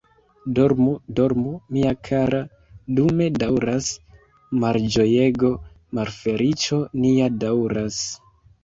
Dormu, dormu, mia kara, dume daŭras malĝojego, malfeliĉo nia daŭras.